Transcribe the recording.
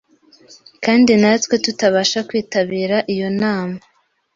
Kandi natwe tutabasha kwitabira iyo nama,